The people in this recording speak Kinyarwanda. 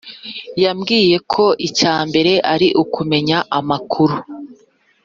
Yambwiye ko icyambere ari ukumenya amakuru